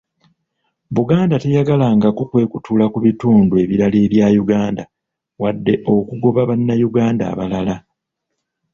Buganda teyagalangako kwekutula ku bitundu ebirala ebya Uganda, wadde okugoba bannayuganda abalala.